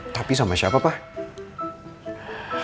tapi sama siapa pak